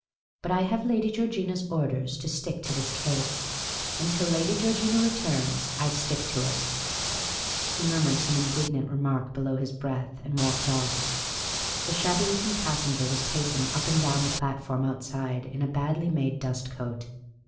" But I have Lady Georgina's orders to stick to this case ; and till Lady Georgina returns I stick to it." The Cantankerous Old Lady 27 He murmured some indignant remark below his breath, and walked off. The shabby looking passenger was pacing up and down the platform outside in a badly made dust coat.